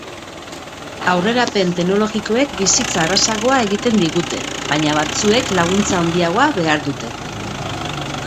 Aurrerapen teknologikoek bizitza errazagoa egiten digute, baina batzuek laguntza handiagoa behar dute.